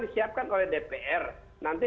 disiapkan oleh dpr nanti